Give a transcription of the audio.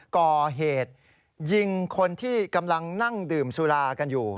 ก่อเหตุยิงคนที่กำลังนั่งดื่มสุรากันอยู่